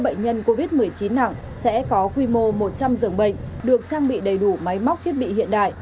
bệnh nhân covid một mươi chín nặng sẽ có quy mô một trăm linh giường bệnh được trang bị đầy đủ máy móc thiết bị hiện đại